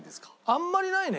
あんまりないね。